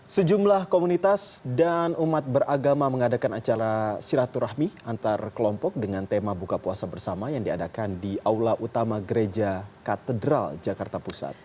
sejumlah komunitas dan umat beragama mengadakan acara silaturahmi antar kelompok dengan tema buka puasa bersama yang diadakan di aula utama gereja katedral jakarta pusat